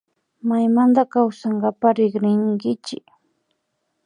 Maymanta kawsankapak rikrinkichi